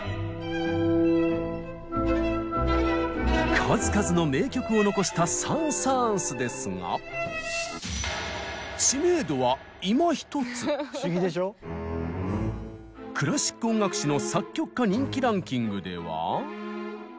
数々の名曲を残したサン・サーンスですがクラシック音楽誌の作曲家人気ランキングでは。